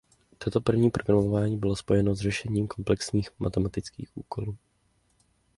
Toto prvotní programování bylo spojeno s řešením komplexních matematických úkolů.